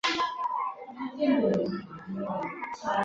短吻颈鳗为辐鳍鱼纲鳗鲡目糯鳗亚目长颈鳗科的其中一个种。